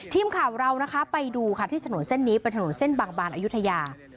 ทีมข่าวเรานะคะไปดูค่ะที่ถนนเส้นนี้เป็นถนนเส้นบางบานอายุทยา